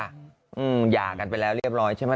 หย่ากันไปแล้วเรียบร้อยใช่ไหม